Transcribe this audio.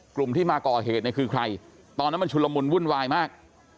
กลุ่มที่มาก่อเหตุเนี่ยคือใครตอนนั้นมันชุลมุนวุ่นวายมาก